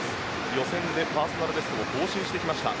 予選でパーソナルベストを更新してきました。